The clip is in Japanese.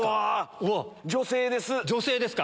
女性ですか？